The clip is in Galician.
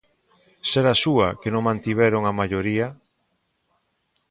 Será súa, que non mantiveron a maioría.